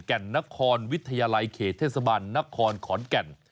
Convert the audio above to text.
แก่นนครวิทยาลัยเขตเทศบาลนครขอนแก่น